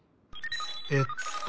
えっと